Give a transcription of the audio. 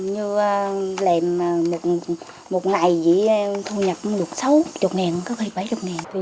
như làm một ngày thì thu nhập được sáu mươi ngàn có bảy mươi ngàn